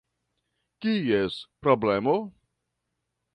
Kies problemo?